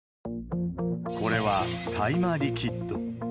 これは大麻リキッド。